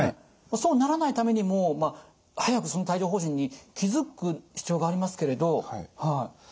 そうならないためにも早く帯状ほう疹に気付く必要がありますけれどはい。